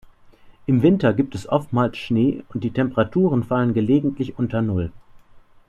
Im Winter gibt es oftmals Schnee und die Temperaturen fallen gelegentlich unter Null.